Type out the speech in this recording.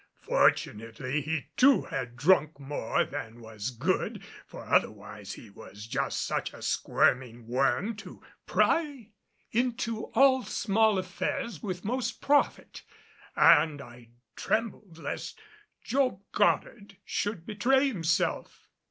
Fortunately, he, too, had drunk more than was good, for otherwise he was just such a squirming worm to pry into all small affairs with most profit, and I trembled lest Job Goddard should betray himself.